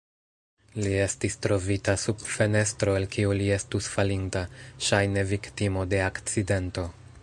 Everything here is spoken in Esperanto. Li estis trovita sub fenestro el kiu li estus falinta, ŝajne viktimo de akcidento.